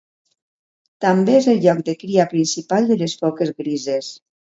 També és el lloc de cria principal de les foques grises.